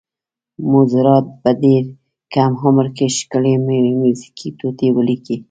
موزارټ په ډېر کم عمر کې ښکلې میوزیکي ټوټې ولیکلې.